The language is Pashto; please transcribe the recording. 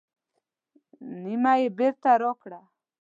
نیمه یې بېرته راکړه.